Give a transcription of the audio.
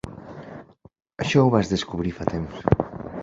Això ho vas descobrir fa temps.